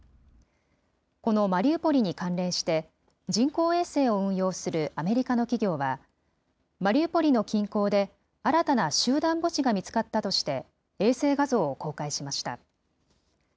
このマリウポリに関連して、人工衛星を運用するアメリカの企業は、マリウポリの近郊で新たな集団墓地が見つかったとして、衛星画像を公開しました。